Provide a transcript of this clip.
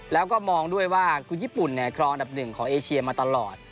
แล้วก็มองด้วยว่าญี่ปุ่นคล้องดับ๑ของเอเชียมาตลอด